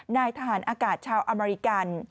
นายทหารอากาศชาวอเมริกัน